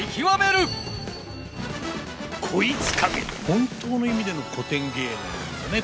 本当の意味での古典芸能なんでね